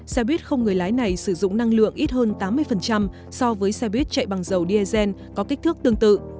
xe buýt không người lái này sử dụng năng lượng ít hơn tám mươi so với xe buýt chạy bằng dầu diesel có kích thước tương tự